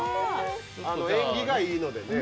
縁起がいいのでね。